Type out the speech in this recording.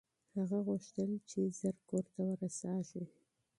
هغه غوښتل چې ژر کور ته ورسېږي.